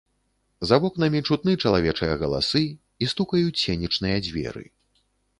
За вокнамі чутны чалавечыя галасы, і стукаюць сенечныя дзверы.